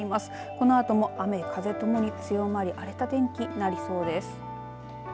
このあとも雨風ともに強まり荒れた天気となりそうです。